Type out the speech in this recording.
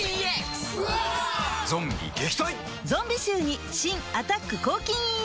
ゾンビ臭に新「アタック抗菌ＥＸ」